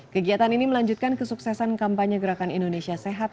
kegiatan ini melanjutkan kesuksesan kampanye gerakan indonesia sehat